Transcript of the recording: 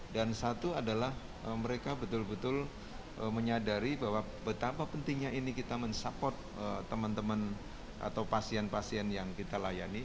dan satu adalah mereka betul betul menyadari bahwa betapa pentingnya ini kita mensupport teman teman atau pasien pasien yang kita layani